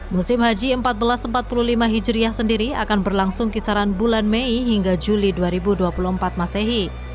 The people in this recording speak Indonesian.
musim haji seribu empat ratus empat puluh lima hijriah sendiri akan berlangsung kisaran bulan mei hingga juli dua ribu dua puluh empat masehi